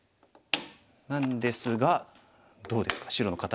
なんですがどうですか白の形。